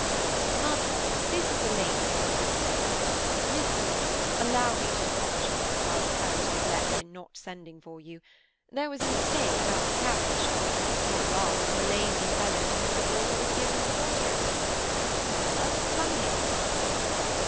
"Mother, this is the lady whom you expected. Miss Muir, allow me to apologize for our apparent neglect in not sending for you. There was a mistake about the carriage, or, rather, the lazy fellow to whom the order was given forgot it. Bella, come here."